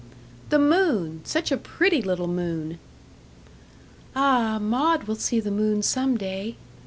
"The moon such a pretty little moon." "Ah, Maud will see the moon some day."